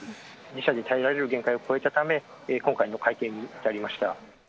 自社で耐えられる限界を超えたため、今回の改定に至りました。